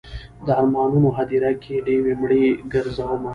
د ارمانونو هدیره کې ډیوې مړې ګرځوم